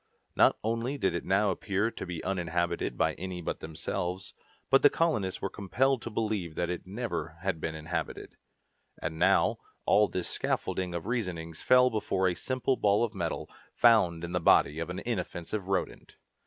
Not only did it now appear to be uninhabited by any but themselves, but the colonists were compelled to believe that it never had been inhabited. And now, all this scaffolding of reasonings fell before a simple ball of metal, found in the body of an inoffensive rodent!